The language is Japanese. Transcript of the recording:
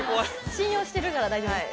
信用してるから大丈夫です。